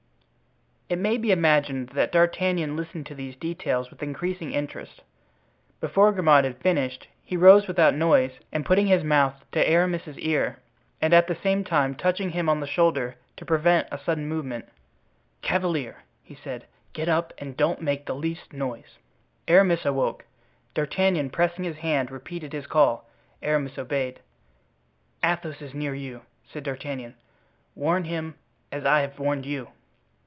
It may be imagined that D'Artagnan listened to these details with increasing interest; before Grimaud had finished he rose without noise and putting his mouth to Aramis's ear, and at the same time touching him on the shoulder to prevent a sudden movement: "Chevalier," he said, "get up and don't make the least noise." Aramis awoke. D'Artagnan, pressing his hand, repeated his call. Aramis obeyed. "Athos is near you," said D'Artagnan; "warn him as I have warned you."